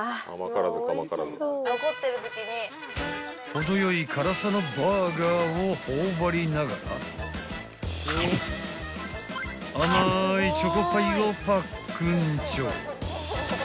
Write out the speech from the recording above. ［程よい辛さのバーガーを頬張りながら甘いチョコパイをぱっくんちょ］